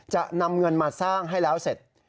จะนำเงินมาสร้างให้แล้วเสร็จ